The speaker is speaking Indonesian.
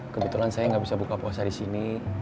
kebetulan saya gak bisa buka puasa disini